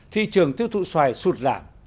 thị trường thiếu thụ xoài sụt giảm